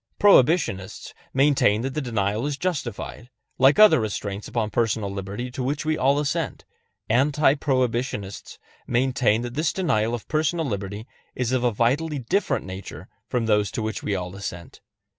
Prohibitionists maintain that the denial is justified, like other restraints upon personal liberty to which we all assent; anti prohibitionists maintain that this denial of personal liberty is of a vitally different nature from those to which we all assent.